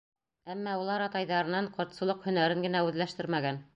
Әммә улар атайҙарынан ҡортсолоҡ һөнәрен генә үҙләштермәгән.